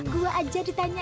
gua aja ditanyain ya